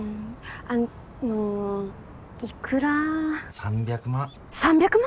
あのいくら３００万３００万！？